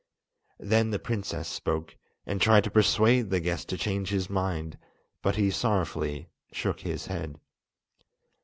Then the princess spoke, and tried to persuade the guest to change his mind, but he sorrowfully shook his head.